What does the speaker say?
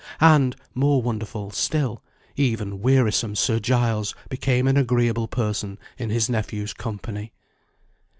And, more wonderful still, even wearisome Sir Giles became an agreeable person in his nephew's company.